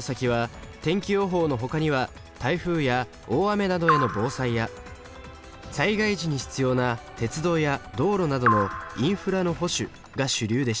先は天気予報のほかには台風や大雨などへの防災や災害時に必要な鉄道や道路などのインフラの保守が主流でした。